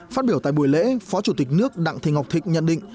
phát biểu tại buổi lễ phó chủ tịch nước đặng thị ngọc thịnh nhận định